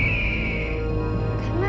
kita lanjutkan perjalanan kita